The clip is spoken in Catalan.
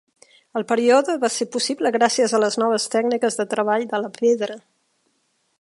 El període va ser possible gràcies a les noves tècniques de treball de la pedra.